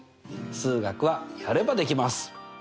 数学はやればできます！